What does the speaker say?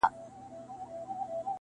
• پر هر قدم به سجدې کومه -